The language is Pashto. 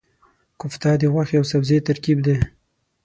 کوفته د غوښې او سبزي ترکیب دی.